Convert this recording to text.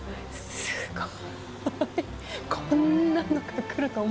すごい。